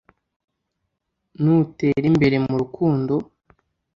n'utere imbere mu rukundo